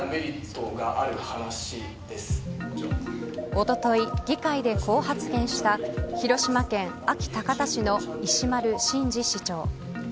おととい、議会でこう発言した広島県安芸高田市の石丸伸二市長。